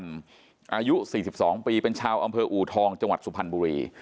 อายุ๔๒ปีเป็นชาวอำเภออูทองจังหวัดสุพรรณบุรี